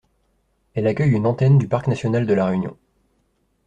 Elle accueille une antenne du parc national de La Réunion.